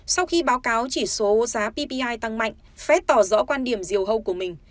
sau khi báo cáo chỉ số giá ppi tăng mạnh fed tỏ rõ quan điểm diều của mình